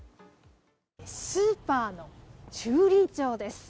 スーパーの駐輪場です。